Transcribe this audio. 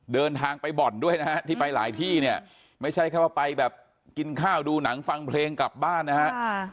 เดินทางไปบ่อนด้วยนะฮะที่ไปหลายที่เนี่ยไม่ใช่แค่ว่าไปแบบกินข้าวดูหนังฟังเพลงกลับบ้านนะฮะ